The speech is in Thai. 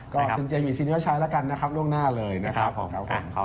ก็เซ็นเจมส์หรือซินเวอร์ชัยล่วงหน้าเลยนะครับ